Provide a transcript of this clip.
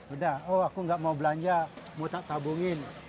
udah oh aku nggak mau belanja mau tabungin